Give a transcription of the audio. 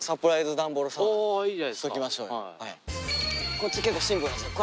こっち結構シンプルなんですよ。